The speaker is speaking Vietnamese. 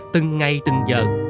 từng ngày từng giờ